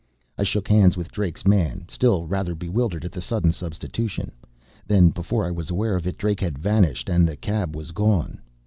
I shook hands with Drake's man, still rather bewildered at the sudden substitution. Then, before I was aware of it, Drake had vanished and the cab was gone.